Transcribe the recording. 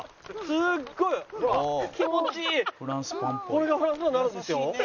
これがフランスパンになるんですよ。